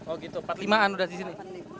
oh gitu empat puluh lima an udah di sini